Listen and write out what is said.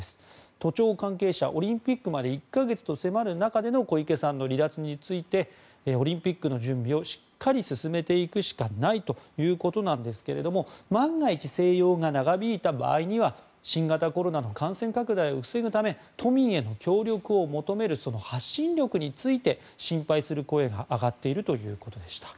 都庁関係者、オリンピックまで１か月と迫る中での小池さんの離脱についてオリンピックの準備をしっかり進めていくしかないということですが万が一、静養が長引いた場合には新型コロナの感染拡大を防ぐため都民への協力を求める発信力について心配する声が上がっているということでした。